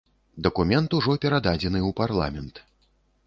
Дакумент ужо перададзены ў парламент.